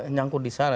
nyangkut di sana